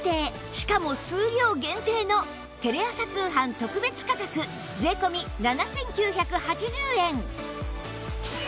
しかも数量限定のテレ朝通販特別価格税込７９８０円